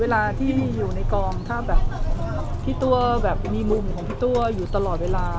เวลาที่อยู่ในกองถ้าแบบพี่ตัวแบบมีมุมของพี่ตัวอยู่ตลอดเวลา